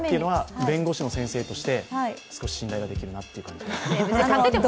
弁護士の先生として少し信頼ができるなと思います。